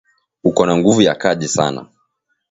Uko na nguvu ya kaji sana